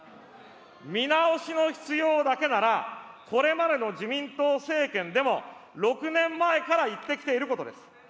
見直しの必要だけなら、これまでの自民党政権でも、６年前から言ってきていることです。